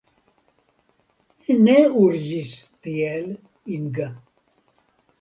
Ne urĝis tiel, Inga!